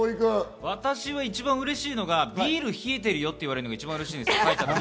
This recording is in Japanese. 私、一番嬉しいのがビール冷えてるよって言われるのが一番嬉しいです。